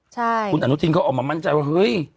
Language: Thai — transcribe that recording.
ใช่คุณอนุทินเขาออกมามั่นใจว่าเฮ้ย